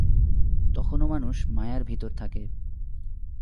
তখনও মানুষ মায়ার ভিতর থাকে।